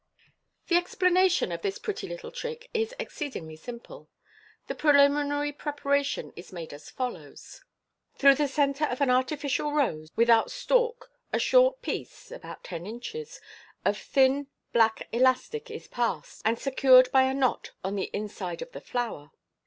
The explanation of this pretty little trick is exceedingly simple. The preliminary preparation is made as follows :— Through the centre of an artificial rose, without stalk, a short piece (about ten inches) of thin black elastic is passed, and secured by a knot on the inside of the flower.